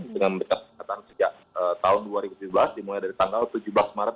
dengan pendekatan sejak tahun dua ribu dua belas dimulai dari tanggal tujuh belas maret dua ribu dua belas